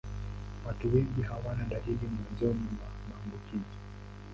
Watu wengi hawana dalili mwanzoni mwa maambukizi.